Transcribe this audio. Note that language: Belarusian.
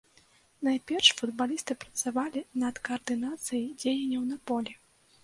Найперш футбалісты працавалі над каардынацыяй дзеянняў на полі.